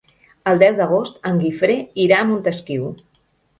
El deu d'agost en Guifré irà a Montesquiu.